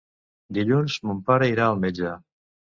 Dilluns mon pare irà al metge.